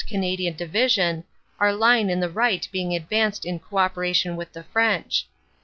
Canadian Division, our line on the right being advanced in co operation with the French.